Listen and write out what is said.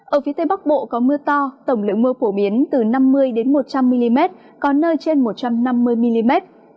ở phía tây bắc bộ có mưa to tổng lượng mưa phổ biến từ năm mươi một trăm linh mm có nơi trên một trăm năm mươi mm